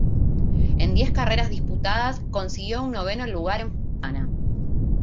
En diez carreras disputadas, consiguió un noveno lugar en Fontana.